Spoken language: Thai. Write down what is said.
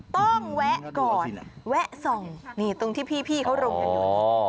ต้องแวะก่อนแวะส่องนี่ตรงที่พี่เขารุมอยู่นี่